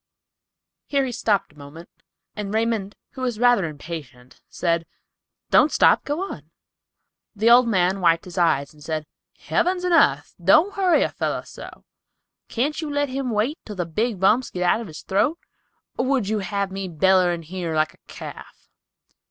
Here he stopped a moment, and Raymond, who was rather impatient, said, "Don't stop; go on." The old man wiped his eyes, and said, "Heavens and arth, don't hurry a feller so; can't you let him wait till the big bumps get out of his throat, or would you have me bellerin' here like a calf?"